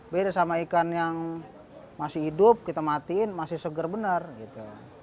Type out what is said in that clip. beda sama ikan yang masih hidup kita matiin masih seger benar gitu